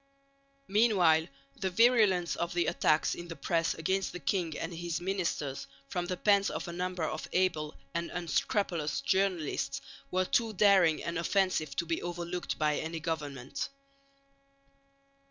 Meanwhile the virulence of the attacks in the press against the king and his ministers from the pens of a number of able and unscrupulous journalists were too daring and offensive to be overlooked by any government.